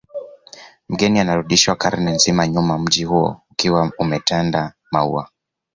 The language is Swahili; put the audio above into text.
Mgeni anarudishwa karne nzima nyuma mji huo ukiwa umetanda maua